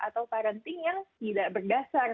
atau parenting yang tidak berdasar